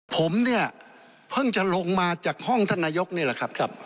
ผมเนี่ยเพิ่งจะลงมาจากห้องท่านนายกนี่แหละครับ